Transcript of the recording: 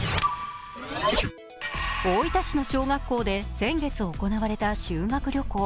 大分市の小学校で先月、行われた修学旅行。